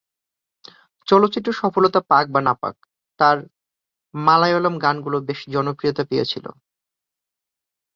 চলচ্চিত্র সফলতা পাক বা না পাক তার মালয়ালম গানগুলো বেশ জনপ্রিয়তা পেয়েছিল।